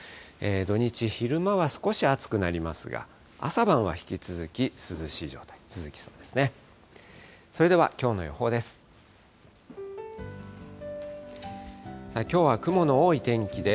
土日、昼間は少し暑くなりますが、朝晩は引き続き涼しい状態、続きそうですね。